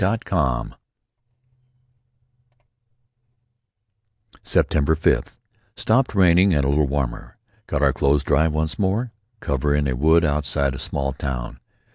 "September fifth: Stopped raining and a little warmer. Got our clothes dry once more. Cover in a wood outside a small town.